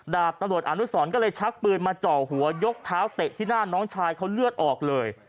ดาบตำรวจอนุสรก็เลยชักปืนมาเจาะหัวยกเท้าเตะที่หน้าน้องชายเขาเลือดออกเลย